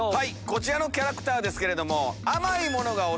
こちらのキャラクターですけれども。